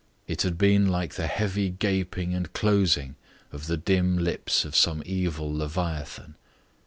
It had been like the heavy gaping and closing of the dim lips of some evil leviathan.